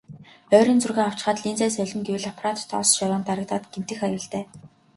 Ойрын зургаа авчхаад линзээ солино гэвэл аппарат тоос шороонд дарагдаад гэмтэх аюултай.